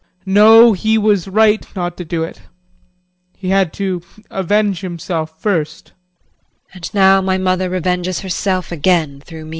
No, he was right, not to do it he had to avenge himself first. JULIE. And now my mother revenges herself again through me.